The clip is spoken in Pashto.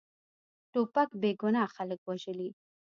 توپک بېګناه خلک وژلي.